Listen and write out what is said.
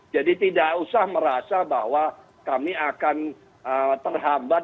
jadi tidak usah merasa bahwa kami akan terhambat